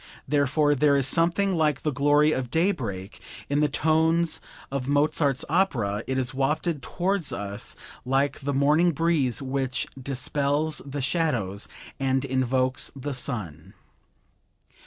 Therefore there is something like the glory of daybreak in the tones of Mozart's opera; it is wafted towards us like the morning breeze which dispels the shadows and invokes the sun."